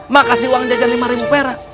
ma kasih uang jajan lima perak